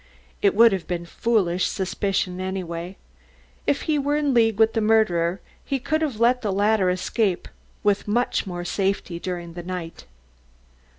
It would have been a foolish suspicion anyway. If he were in league with the murderer, he could have let the latter escape with much more safety during the night.